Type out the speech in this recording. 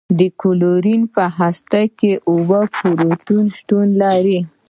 د کلورین په هسته کې اوولس پروتونونه شتون لري.